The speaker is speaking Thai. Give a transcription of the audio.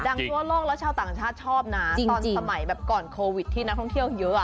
ทั่วโลกแล้วชาวต่างชาติชอบนะตอนสมัยแบบก่อนโควิดที่นักท่องเที่ยวเยอะอ่ะ